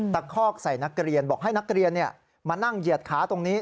คอกใส่นักเรียนบอกให้นักเรียนมานั่งเหยียดขาตรงนี้